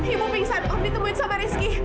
ibu pingsan ditemuin sama rizky